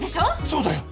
そうだよ。